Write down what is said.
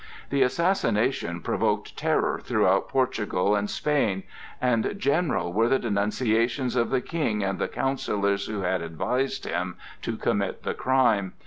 The assassination provoked terror throughout Portugal and Spain, and general were the denunciations of the King and the counsellors who had advised him to commit the crime.